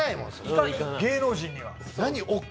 芸能人には。